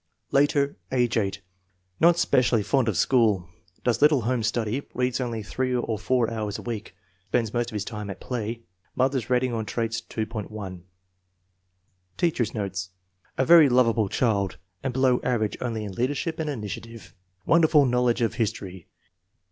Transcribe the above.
Later, age 8. Not specially fond of school. Does little home study; reads only three or four hours a week. Spends most of his time at play. Mother's rating on traits, .10. Teacher's notes. A very lovable child, and below average only in leadership and initiative. " Wonder ful knowledge of history.